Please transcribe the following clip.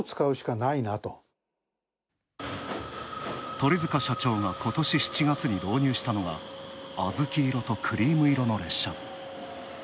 鳥塚社長が今年７月に導入したのが、小豆色とクリーム色の列車。